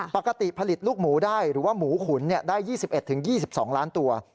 ปกติผลิตลูกหมูได้หรือว่าหมูขุนได้๒๑๒๒ล้านตัว